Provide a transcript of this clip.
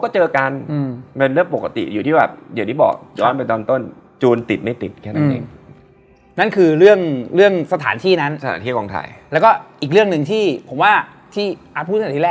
เจอกันในป่องในป่า